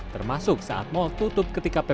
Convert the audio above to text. termasuk saat mal tutup ketika ppkm